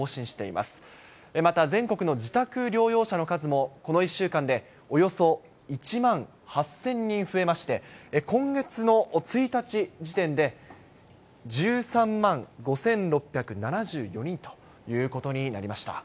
また、全国の自宅療養者の数も、この１週間でおよそ１万８０００人増えまして、今月の１日時点で、１３万５６７４人ということになりました。